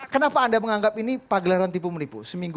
kenapa anda menganggap ini pagelaran tipu menipu seminggu